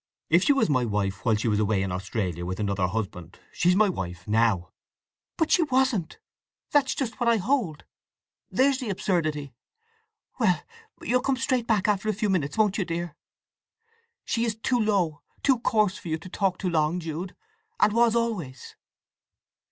If she was my wife while she was away in Australia with another husband, she's my wife now." "But she wasn't! That's just what I hold! There's the absurdity!— Well—you'll come straight back, after a few minutes, won't you, dear? She is too low, too coarse for you to talk to long, Jude, and was always!"